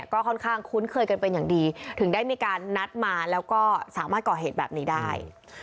ก็ค่อนข้างคุ้นเคยกันเป็นอย่างดีถึงได้มีการนัดมาแล้วก็สามารถก่อเหตุแบบนี้ได้